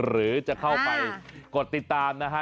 หรือจะเข้าไปกดติดตามนะฮะ